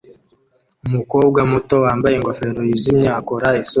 Umukobwa muto wambaye ingofero yijimye akora isura